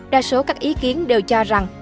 đa số các ý kiến đều cho rằng